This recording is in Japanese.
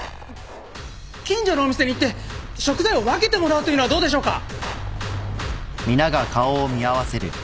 近所のお店に行って食材を分けてもらうというのはどうでしょうか？